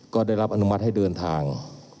ก็ได้รับอนุมัติให้เดินทาง